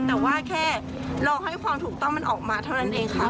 แต่ว่าแค่รอให้ความถูกต้องมันออกมาเท่านั้นเองค่ะ